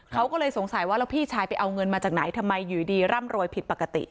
เขาก็เลยสงสัยว่าแล้วพี่ชายไปเอาเงินมาจากไหนทำไมอยู่ดีร่ำรวยผิดปกติ